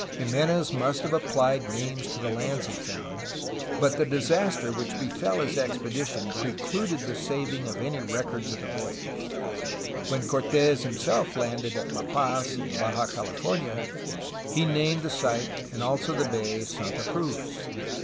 Jimenez must have applied names to the lands he found, but the disaster which befell his expedition precluded the saving of any records of the voyage. When Cortes himself landed at La Paz in Baja California, he named the site and also the bay ''Santa Cruz.''